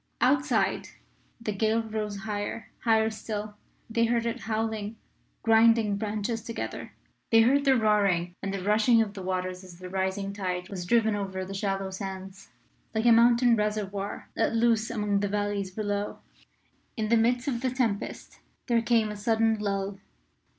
Outside, the gale rose higher higher still. They heard it howling, grinding branches together; they heard the roaring and the rushing of the waters as the rising tide was driven over the shallow sands, like a mountain reservoir at loose among the valleys below. In the midst of the tempest there came a sudden lull.